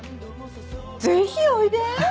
ぜひおいで！